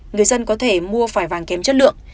người dân có thể mua phải vàng kém chất lượng